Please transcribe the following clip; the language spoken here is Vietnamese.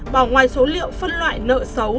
bỏ ngoài số liệu phân loại nợ xấu